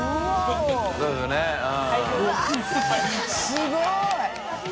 すごい！